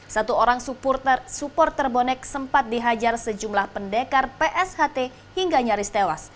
satu orang supporter bonek sempat dihajar sejumlah pendekar psht hingga nyaris tewas